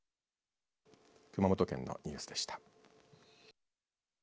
熊本県のニュースでした。